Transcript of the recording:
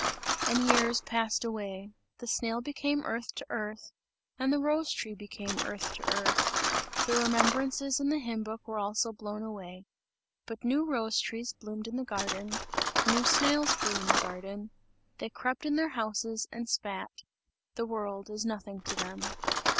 And years passed away. The snail became earth to earth and the rose tree became earth to earth; the remembrances in the hymn book were also blown away but new rose trees bloomed in the garden, new snails grew in the garden; they crept in their houses and spat. The world is nothing to them.